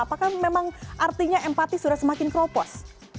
apakah memang artinya empati sudah semakin keropos